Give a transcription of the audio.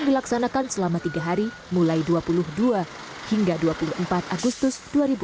dilaksanakan selama tiga hari mulai dua puluh dua hingga dua puluh empat agustus dua ribu dua puluh